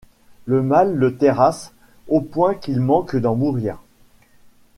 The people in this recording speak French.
Le mal le terrasse, au point qu'il manque d'en mourir.